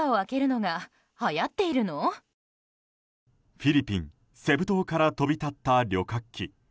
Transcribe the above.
フィリピン・セブ島から飛び立った旅客機。